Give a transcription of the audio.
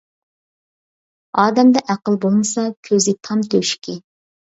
ئادەمدە ئەقىل بولمىسا، كۆزى تام تۆشۈكى.